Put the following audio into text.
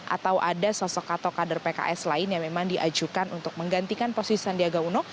atau ada sosok atau kader pks lain yang memang diajukan untuk menggantikan posisi sandiaga uno